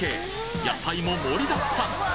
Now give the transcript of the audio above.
野菜も盛りだくさん